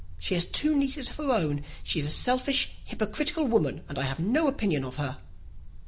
She has two nieces of her own. She is a selfish, hypocritical woman, and I have no opinion of her."